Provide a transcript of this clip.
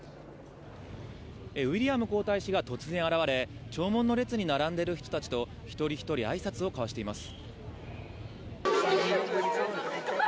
ウィリアム皇太子が突然現れ、弔問の列に並んでいる人たちと、一人一人あいさつをかわしています。